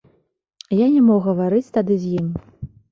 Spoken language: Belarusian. Я не мог гаварыць тады з ім.